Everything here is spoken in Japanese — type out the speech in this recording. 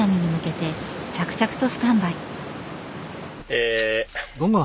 え